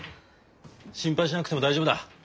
心配しなくても大丈夫だ。